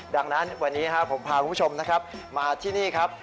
ดังนั้นวันนี้ผมพาคุณผู้ชมนะครับมาที่นี่ครับ